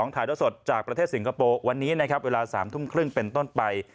ถ่ายเท่าสดจากประเทศสิงคโปร์วันนี้นะครับเวลา๓ทุ่มครึ่งเป็นต้นไป